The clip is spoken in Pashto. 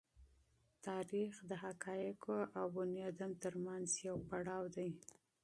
تاریخ د حقایقو او انسان تر منځ یو پړاو دی.